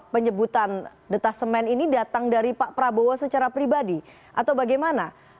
penyebutan detasemen ini datang dari pak prabowo secara pribadi atau bagaimana